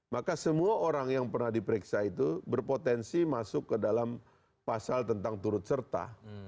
maka semua orang yang pernah diperiksa itu berpotensi masuk ke dalam pasal tentang turut serta